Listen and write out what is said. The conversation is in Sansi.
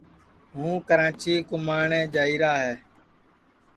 ہوں کراچی کُماٹؔے جائیرا ہے